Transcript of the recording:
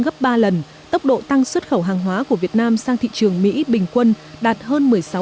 gấp ba lần tốc độ tăng xuất khẩu hàng hóa của việt nam sang thị trường mỹ bình quân đạt hơn một mươi sáu